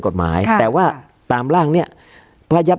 การแสดงความคิดเห็น